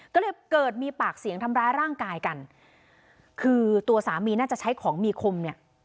ก็เลยเกิดมีปากเสียงทำร้ายร่างกายกันคือตัวสามีน่าจะใช้ของมีคมเนี่ย